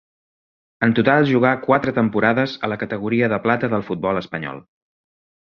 En total jugà quatre temporades a la categoria de plata del futbol espanyol.